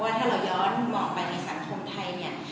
ถ้าเราย้อนมองไปในสังคมไทยเนี่ย